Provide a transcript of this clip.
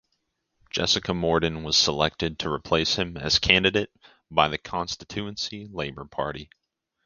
Jessica Morden was selected to replace him as candidate by the Constituency Labour Party.